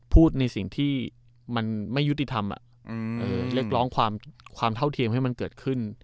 พูดในสิ่งที่มันไม่ยุติธรรมเรียกร้องความเท่าเทียมให้มันเกิดขึ้น